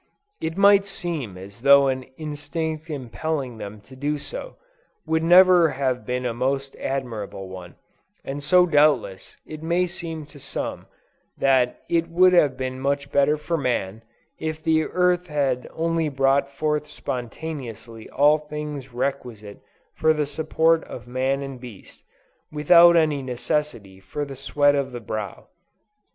It might seem as though an instinct impelling them to do so, would have been a most admirable one, and so doubtless, it may seem to some that it would have been much better for man, if the earth had only brought forth spontaneously all things requisite for the support of man and beast, without any necessity for the sweat of the brow.